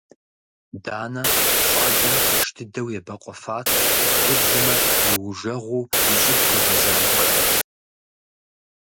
Данэ щӀалэм тынш дыдэу ебэкъуэфат, уеблэмэ иужэгъуу и щӀыб хуигъэзам хуэдэт.